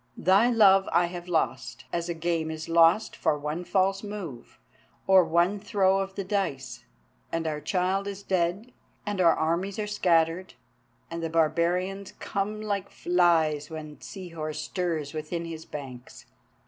Thy love I have lost, as a game is lost for one false move, or one throw of the dice; and our child is dead and our armies are scattered, and the barbarians come like flies when Sihor stirs within his banks.